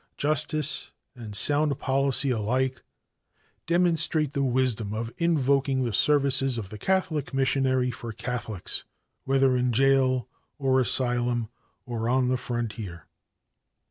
Justice and sound policy alike demonstrate the wisdom of invoking the services of the Catholic Missionary for Catholics, whether in jail or asylum, or on the frontier.